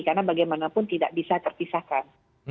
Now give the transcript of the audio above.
karena bagaimanapun tidak bisa terpisahkan